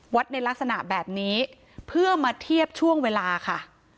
ในลักษณะแบบนี้เพื่อมาเทียบช่วงเวลาค่ะ